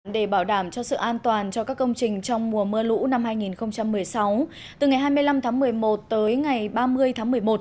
để bảo đảm cho sự an toàn cho các công trình trong mùa mưa lũ năm hai nghìn một mươi sáu từ ngày hai mươi năm tháng một mươi một tới ngày ba mươi tháng một mươi một